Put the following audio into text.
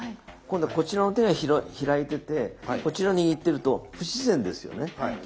今度はこちらの手が開いててこちら握っていると不自然ですよね。